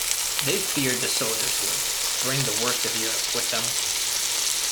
They feared the soldiers would "bring the worst of Europe" with them.